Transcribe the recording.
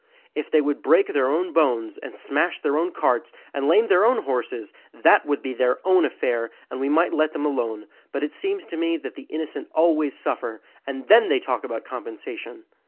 If they would break their own bones, and smash their own carts, and lame their own horses, that would be their own affair, and we might let them alone, but it seems to me that the innocent always suffer; and then they talk about compensation!